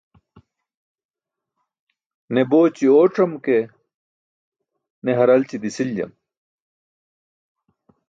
Ne booći ooc̣am ke, ne haralći disiljam.